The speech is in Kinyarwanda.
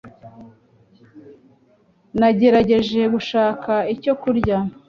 Nagerageje gushaka icyo kurya.